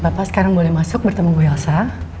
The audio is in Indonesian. bapak sekarang boleh masuk bertemu bu elsa